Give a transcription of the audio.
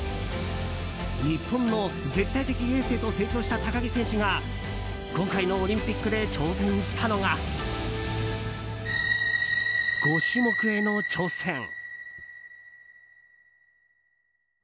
日本の絶対的エースへと成長した高木選手が今回のオリンピックで挑戦したのが５種目への挑戦。